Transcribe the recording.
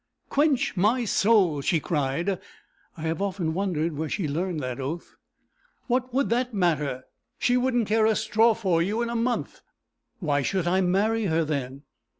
'Quench my soul!' she cried I have often wondered where she learned the oath 'what would that matter? She wouldn't care a straw for you in a month!' 'Why should I marry her then?'